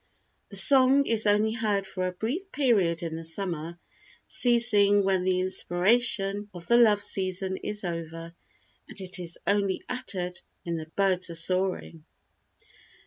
The song is only heard for a brief period in the summer, ceasing when the inspiration of the love season is over, and it is only uttered when the birds are soaring."